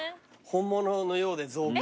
本物のようで造花。